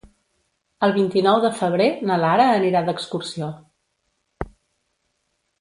El vint-i-nou de febrer na Lara anirà d'excursió.